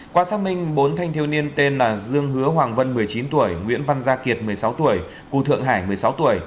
qua xác minh bốn thanh thiếu niên tên là dương hứa hoàng vân một mươi chín tuổi nguyễn văn gia kiệt một mươi sáu tuổi cụ thượng hải một mươi sáu tuổi